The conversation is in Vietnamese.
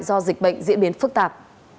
do dịch bệnh diễn biến phức tạp